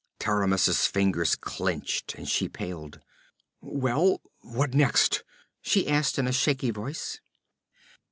Taramis's fingers clenched and she paled. 'Well, what next?' she asked in a shaky voice.